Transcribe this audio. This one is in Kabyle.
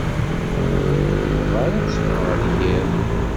Ur nnumeɣ ara tteffɣeɣ deg iḍ.